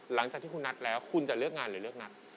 หลังจากที่คุณนัดแล้วคุณจะเลือกงานหรือเลือกนัด